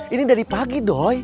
ini dari pagi doi